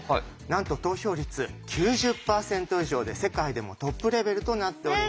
なんと投票率９０％以上で世界でもトップレベルとなっております。